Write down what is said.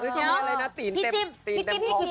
โจ๋าวเตี๋ยวเฟ้อร์ด